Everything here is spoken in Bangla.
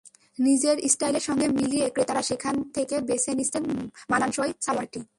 নিজের স্টাইলের সঙ্গে মিলিয়ে ক্রেতারা সেখান থেকে বেছে নিচ্ছেন মানানসই সালোয়ারটি।